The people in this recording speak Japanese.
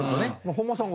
本間さん